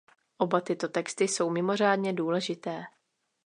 Oba tyto texty jsou mimořádně důležité.